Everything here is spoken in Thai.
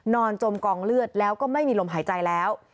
จมกองเลือดแล้วก็ไม่มีลมหายใจแล้ว